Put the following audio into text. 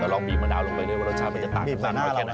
เราลองบีบมะนาวด้วยเดียวรสชาติมันจะตากมันจะไม่แข็ง